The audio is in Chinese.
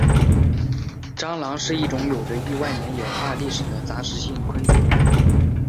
蟑螂是一种有着亿万年演化历史的杂食性昆虫。